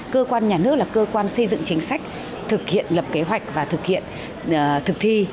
cơ quan nhà nước là cơ quan xây dựng chính sách thực hiện lập kế hoạch và thực hiện thực thi